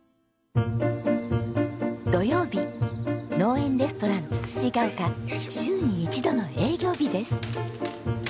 土曜日農園レストランつつじヶ丘週に一度の営業日です。